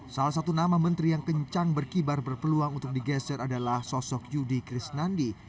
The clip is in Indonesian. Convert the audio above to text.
salah satu nama menteri yang kencang berkibar berpeluang untuk digeser adalah sosok yudi krisnandi